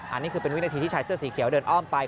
อันนี้คือเป็นวินาทีที่ชายเสื้อสีเขียวเดินอ้อมไป